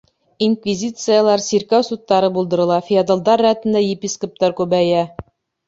Инквизициялар, сиркәү судтары булдырыла, феодалдар рәтендә епископтар күбәйә.